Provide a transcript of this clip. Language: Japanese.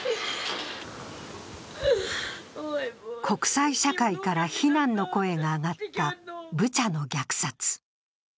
国際社会から非難の声が上がったブチャの虐殺。